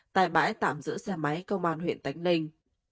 tại bãi tạm giữ xe máy công an huyện tách ninh